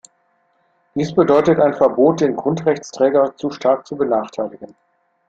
Dies bedeutet ein Verbot, den Grundrechtsträger zu stark zu benachteiligen.